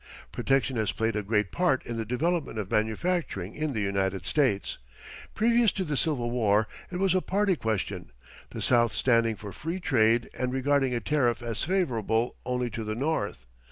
Protection has played a great part in the development of manufacturing in the United States. Previous to the Civil War it was a party question, the South standing for free trade and regarding a tariff as favorable only to the North.